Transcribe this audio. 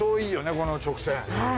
この直線。